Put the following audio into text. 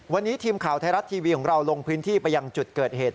วันนี้ทีมข่าวไทยรัฐทีวีของเราลงพื้นที่ไปยังจุดเกิดเหตุ